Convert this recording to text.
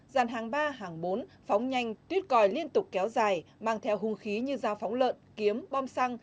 dàn hàng ba hàng bốn phóng nhanh tuyết còi liên tục kéo dài mang theo hung khí như dao phóng lợn kiếm bom xăng